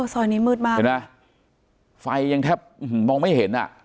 ซอยนี้มืดมากเห็นไหมไฟยังแทบมองไม่เห็นอ่ะ